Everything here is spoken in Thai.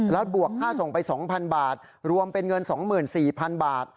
แล้วบวกค่าส่งไป๒๐๐บาทรวมเป็นเงิน๒๔๐๐๐บาท